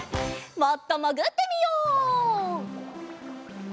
もっともぐってみよう。